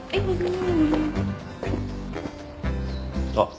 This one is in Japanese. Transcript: あっ。